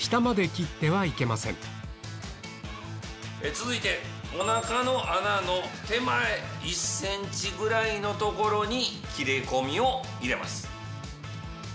続いておなかの穴の手前１ｃｍぐらいの所に切れ込みを入れます。